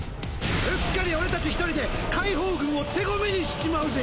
うっかり俺達ひとりで解放軍を手籠めにしちまうぜ！